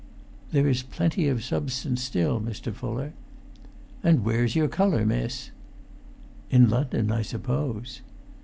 "There is plenty of substance still, Mr. Fuller." "And where's your colour, miss?" "In London, I suppose."